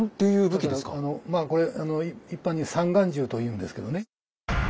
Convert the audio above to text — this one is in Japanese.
これ一般に「三眼銃」というんですけどね。